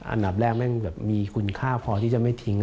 อันดับแรกแม่งแบบมีคุณค่าพอที่จะไม่ทิ้ง